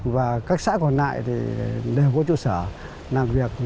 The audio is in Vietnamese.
và các xã còn lại đều có chủ sở làm việc